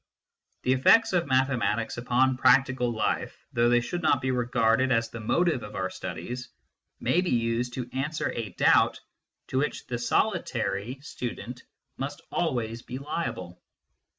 The effects of mathematics upon practical life, though they should not be regarded as the motive of our studies, may be used to answer a doubt to which the solitary 72 MYSTICISM AND LOGIC student must always be liable.